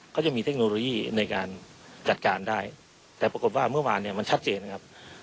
เขาจะมีเทคโนโลยีในการจัดการได้แต่ปรากฏว่าเมื่อวานเนี่ยมันชัดเจนนะครับ